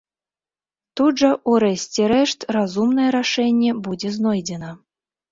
Тут жа ў рэшце рэшт разумнае рашэнне будзе знойдзена.